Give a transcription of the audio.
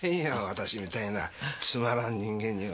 私みたいなつまらん人間には。